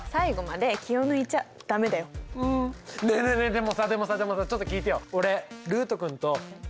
でもさでもさでもさちょっと聞いてよ。